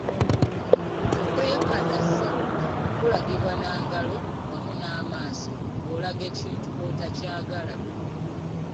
Okwekanasa kulagibwa na ngalo wamu n'amaaso ng'olaga ekintu bwotakyagala.